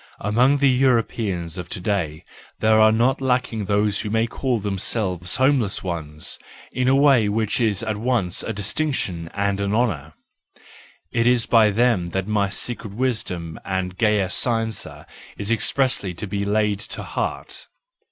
—Among the Europeans of to day there are not lacking those who may call themselves homeless ones in a way which is at once a distinction and an honour; it is by them that my secret wisdom and gaya scienza is expressly to be laid to heart.